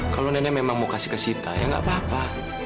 kalau nenek memang mau kasih ke sita ya gak apa apa